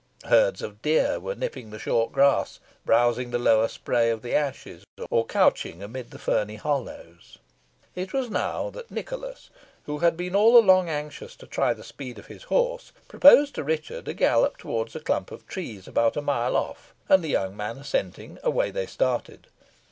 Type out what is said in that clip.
Herds of deer were nipping the short grass, browsing the lower spray of the ashes, or couching amid the ferny hollows. It was now that Nicholas, who had been all along anxious to try the speed of his horse, proposed to Richard a gallop towards a clump of trees about a mile off, and the young man assenting, away they started.